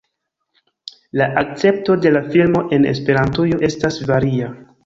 La akcepto de la filmo en Esperantujo estas varia.